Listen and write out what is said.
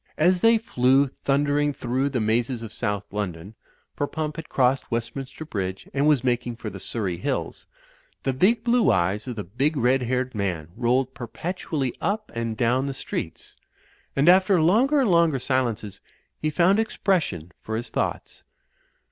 As they flew thundering through the mazes of South London (for Pump had crossed Westminster Bridge and was mak ing for the Surrey hills), the big blue eyes of the big red haired man rolled perpetually up and down the streets ; and, after longer and longer silences, he found expression for his thoughts.